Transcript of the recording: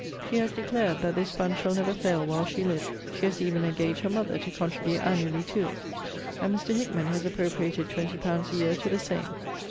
She has declared, That this fund shall never fail while she lives. She has even engaged her mother to contribute annually to it. And Mr. Hickman has appropriated twenty pounds a year to the same.